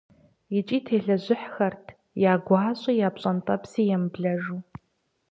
ИкӀи телэжьыхьхэрт я гуащӀи, я пщӀэнтӀэпси емыблэжу.